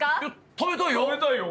食べたい！